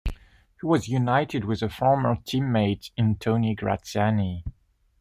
He was united with a former teammate in Tony Graziani.